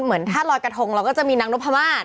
เหมือนถ้ารอยด์กระทงเราก็จะมีน้องโนพรมาต